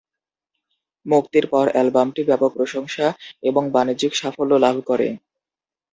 মুক্তির পর অ্যালবামটি ব্যাপক প্রশংসা এবং বাণিজ্যিক সাফল্য লাভ করে।